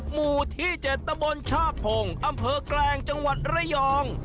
หมู่ที่๗ตะบนชาพงศ์อำเภอแกลงจังหวัดระยอง